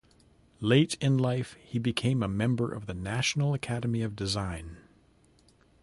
Late in life, he became a member of the National Academy of Design.